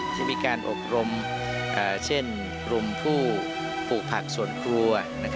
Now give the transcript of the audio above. ที่มีการอบรมเช่นกลุ่มผู้ปลูกผักส่วนครัว